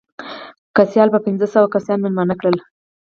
که سیال به پنځه سوه کسان مېلمانه کړل.